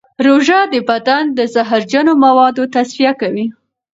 روژه د بدن د زهرجنو موادو تصفیه کوي.